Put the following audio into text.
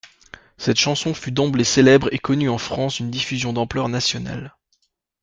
Cette chanson fut d'emblée célèbre et connut en France une diffusion d'ampleur nationale.